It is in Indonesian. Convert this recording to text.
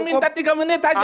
minta tiga menit aja